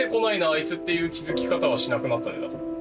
いつっていう気付き方はしなくなったねだから。